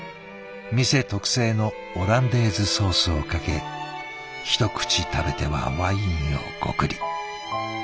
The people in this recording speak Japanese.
店特製のオランデーズソースをかけ一口食べてはワインをごくり。